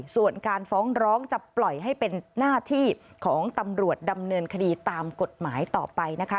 ส่วนการฟ้องร้องจะปล่อยให้เป็นหน้าที่ของตำรวจดำเนินคดีตามกฎหมายต่อไปนะคะ